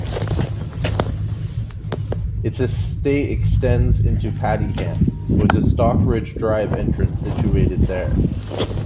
Its estate extends into Padiham, with the Stockbridge Drive entrance situated there.